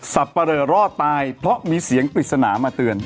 ปะเลอรอดตายเพราะมีเสียงปริศนามาเตือน